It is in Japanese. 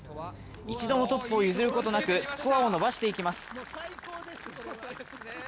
一度もトップを譲ることなくスコアを伸ばしていきます。